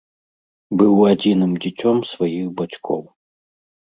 Быў адзіным дзіцём сваіх бацькоў.